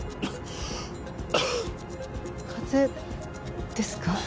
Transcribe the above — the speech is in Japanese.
風邪ですか？